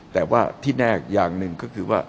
แต่ว่าที่แน่อย่างหนึ่งก็คือว่า